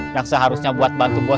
yang seharusnya buat bantu gue